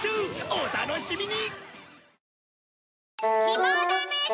お楽しみに！